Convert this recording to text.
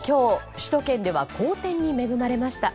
首都圏では好天に恵まれました。